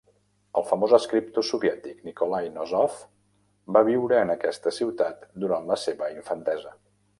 El famós escriptor soviètic Nikolay Nosov va viure en aquesta ciutat durant la seva infantesa.